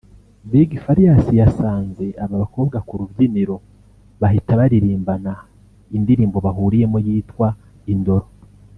Big Farious yasanze aba bakobwa ku rubyiniro bahita baririmbana indirimbo bahuriyemo yitwa ‘Indoro’